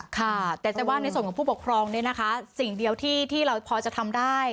ค่ะแต่จะว่าในส่วนของผู้ปกครองเนี่ยนะคะสิ่งเดียวที่เราพอจะทำได้